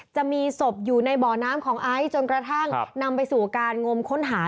จะมีศพอยู่ในบ่อน้ำของไอซ์จนกระทั่งนำไปสู่การงมค้นหา